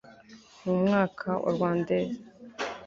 Mu mwaka wa Rwandais